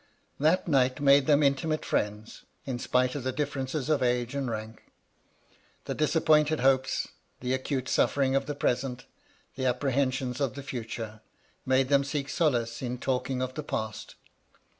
That night made them intimate friends, in spite of the difierence of age and rank. The disappointed hopes, the acute suffering of the present, the apprehensions of the future, made them seek solace in talking of the past.